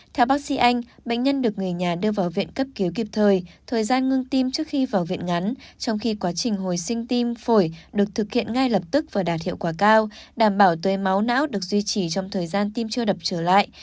theo bác sĩ anh bệnh nhân được người nhà đưa vào viện cấp cứu kịp thời thời gian ngưng tim trước khi vào viện ngắn trong khi quá trình hồi sinh tim phổi được thực hiện ngay lập tức và đạt hiệu quả cao đảm bảo tưới máu não được duy trì trong thời gian tim chưa đập trở lại